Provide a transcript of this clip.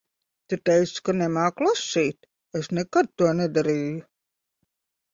Tu teici ka nemāki lasīt. Es nekad to nedarīju.